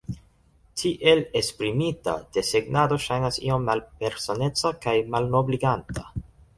Tiel esprimita, desegnado ŝajnas iom malpersoneca kaj malnobliganta.